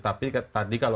tapi tadi kalau